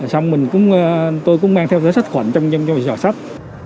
xong mình cũng tôi cũng mang theo sách khuẩn trong sách